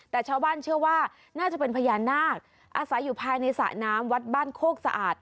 แต่ชาวบ้านเชื่อว่าน่าจะเป็นพญานาคอาศัยอยู่ภายในสระน้ำวัดบ้านโคกสะอาด